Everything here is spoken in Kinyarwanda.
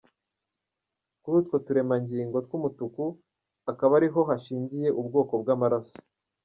Kuri utwo turemangingo tw’umutuku akaba ariho hashingiye ubwoko bw’amaraso.